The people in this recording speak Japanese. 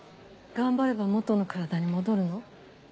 頑張れば元の体に戻るの？